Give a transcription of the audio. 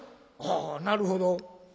「あなるほど」。